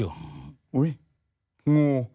อุ้ยงู